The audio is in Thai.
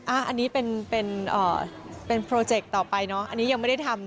อันนี้เป็นโปรเจคต่อไปเนอะ